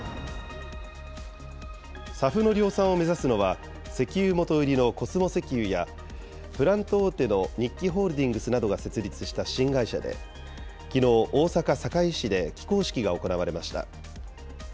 ＳＡＦの量産を目指すのは、石油元売りのコスモ石油や、プラント大手の日揮ホールディングスなどが設立した新会社で、きのう、大阪・堺市で起工式が行われました。